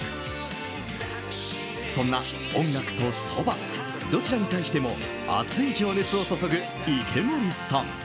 そんな音楽とそばどちらに対しても熱い情熱を注ぐ池森さん。